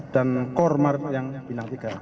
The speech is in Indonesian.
dan kor marinir yang bintang tiga